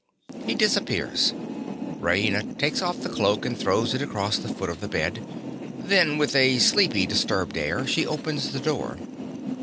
(_He disappears. Raina takes off the cloak and throws it across the foot of the bed. Then with a sleepy, disturbed air, she opens the door.